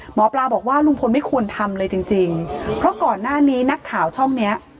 หมอปลาบอกว่าลุงพลไม่ควรทำเลยจริงจริงเพราะก่อนหน้านี้นักข่าวช่องเนี้ย